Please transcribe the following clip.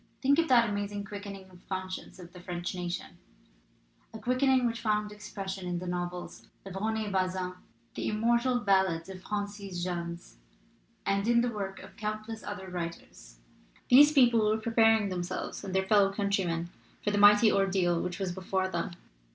Think of that amazing quickening of the conscience of the French nation, a quickening which found expression in the novels of Rene Bazin, the immortal ballads of Francis Jammes, and in the work of countless other writers ! These people were preparing themselves and their fellow countrymen for the mighty ordeal which was before them.